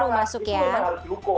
hoax yang tak terhukum itu harus dihukum